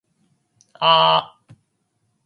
あー。